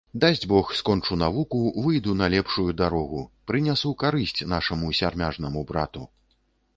Дасць бог, скончу навуку, выйду на лепшую дарогу, прынясу карысць нашаму сярмяжнаму брату.